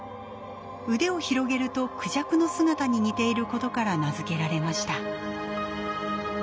腕を広げるとクジャクの姿に似ていることから名付けられました。